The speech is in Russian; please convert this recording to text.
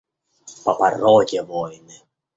По породе воины.